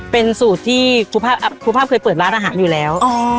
เป็นสูตรที่ครูภาพเคยเปิดร้านอาหารอยู่แล้ว